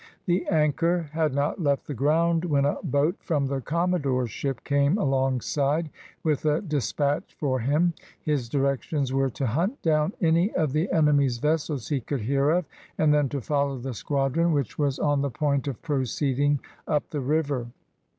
The anchor had not left the ground, when a boat from the commodore's ship came alongside, with a despatch for him. His directions were to hunt down any of the enemy's vessels he could hear of, and then to follow the squadron, which was on the point of proceeding up the river.